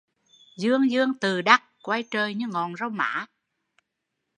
Dương dương tự đắc, coi trời như ngọn rau má